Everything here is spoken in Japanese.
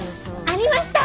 ありました。